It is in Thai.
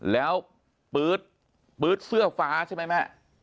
แล้วปื๊ดปื๊ดเสื้อฟ้าใช่ไหมแม่